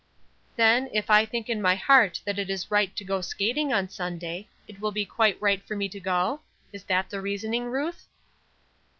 "Then, if I think in my heart that it is right to go skating on Sunday, it will be quite right for me to go? Is that the reasoning, Ruth?"